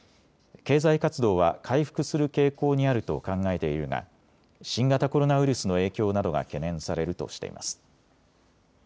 経済活動は回復する傾向にあると考えているが新型コロナウイルスの影響などが懸念されるとしています。